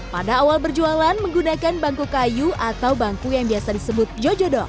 pada awal berjualan menggunakan bangku kayu atau bangku yang biasa disebut jojodok